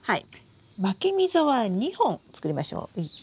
まき溝は２本作りましょう。